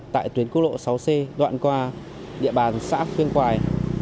tại tuyến cốt lộ sáu c đoạn qua địa bàn xã khuyên quài